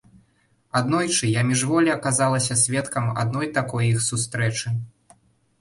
Аднойчы я міжволі аказалася сведкам адной такой іх сустрэчы.